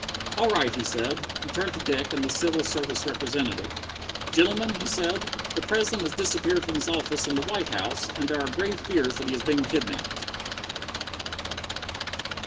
"All right," he said. He turned to Dick and the Civil Service representative. "Gentlemen," he said, "the President has disappeared from his office in the White House, and there are grave fears that he has been kidnapped!"